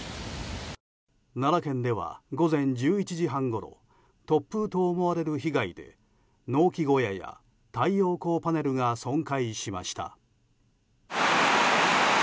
奈良県では午前１１時半ごろ突風と思われる被害で農機小屋や太陽光パネルが損壊しました。